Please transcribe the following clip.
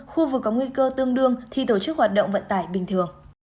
khu vực có nguy cơ tương đương thì tổ chức hoạt động vận tải bình thường